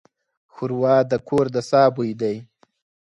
ښوروا د کور د ساه بوی دی.